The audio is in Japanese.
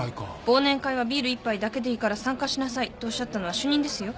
「忘年会はビール１杯だけでいいから参加しなさい」とおっしゃったのは主任ですよ。